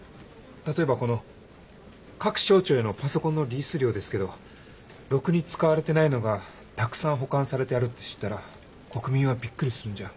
例えばこの各省庁へのパソコンのリース料ですけどろくに使われてないのがたくさん保管されてあるって知ったら国民はビックリするんじゃ？